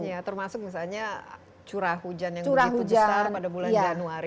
ya termasuk misalnya curah hujan yang begitu besar pada bulan januari